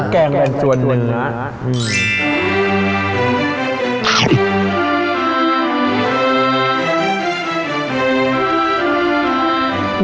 แกงรันจวนเนื้อ